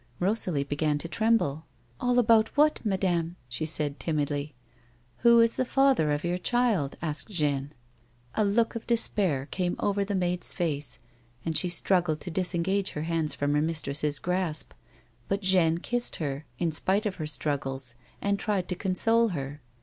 Rosalie began to tremble. " All about what, madame? " she said, timidly. " Who is the father of your child ?" asked Jeanne. A look of despair came over the maid's face, and she st ruggled to disengage her hands from her mistress's grasp 102 A WOMAN'S LIFE. but Jeanne kissed her, in spite of her struggles, and tried to console her.